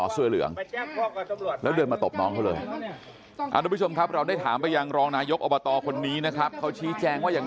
ซึ่งหนูก็เป็นผู้หญิงด้วย